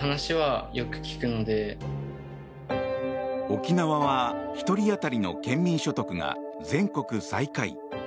沖縄は１人当たり県民所得が全国最下位。